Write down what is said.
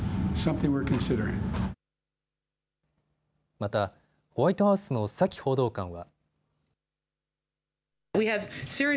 また、ホワイトハウスのサキ報道官は。